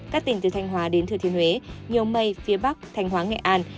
các tỉnh từ thanh hóa đến thừa thiên huế nhiều mây phía bắc thanh hóa nghệ an